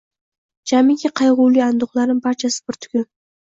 Jamiki qayg’uli anduhlarim — barchasi bir tugun.